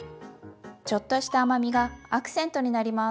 ちょっとした甘みがアクセントになります。